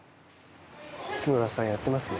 角田さん、やってますね。